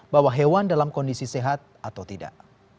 bahwa hewan dalam kondisi sehat atau tidak